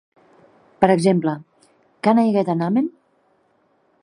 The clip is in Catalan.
Per exemple, "Can I get an Amen?".